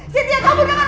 sintia kamu dengar mama ya